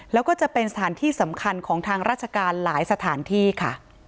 แล้วก็จะเป็นสถานที่สำคัญของทางราชการหลายสถานที่ค่ะ